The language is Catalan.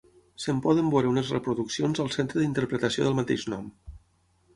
Se'n poden veure unes reproduccions al centre d'interpretació del mateix nom.